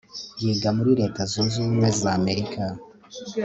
yiga muri leta zunze ubumwe za amerika